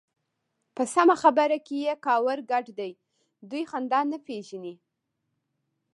په سمه خبره کې يې کاوړ ګډ دی. دوی خندا نه پېژني.